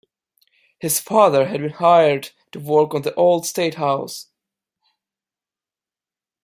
His father had been hired to work on the Old State House.